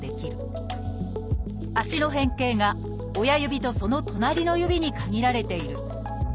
足の変形が親指とそのとなりの指に限られている。